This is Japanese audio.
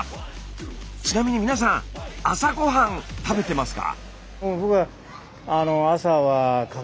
ちなみに皆さん朝ごはん食べてますか？